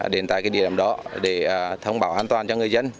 đến tại cái điện đó để thông báo an toàn cho người dân